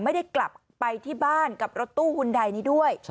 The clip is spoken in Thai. ไม่ได้กลับไปที่บ้านกับรถตู้หุ่นใดนี้ด้วย